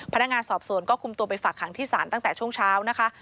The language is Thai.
พนักงานสอบสวนก็คุมตัวไปฝากหางที่ศาลตั้งแต่ช่วงเช้านะคะ